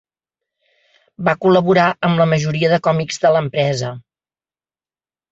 Va col·laborar amb la majoria de còmics de l'empresa.